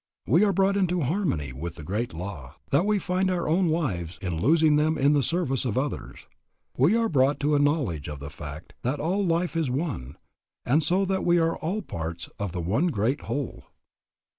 We are brought into harmony with the great law, that we find our own lives in losing them in the service of others. We are brought to a knowledge of the fact that all life is one, and so that we are all parts of the one great whole.